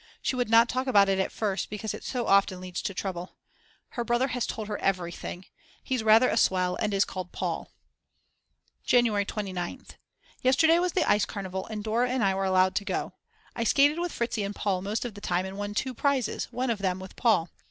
She would not talk about it at first because it so often leads to trouble. Her brother has told her everything. He's rather a swell and is called Paul. January 29th. Yesterday was the ice carnival and Dora and I were allowed to go. I skated with Fritzi and Paul most of the time and won 2 prizes, one of them with Paul.